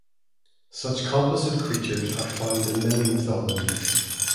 Such composite creatures are found in many mythologies.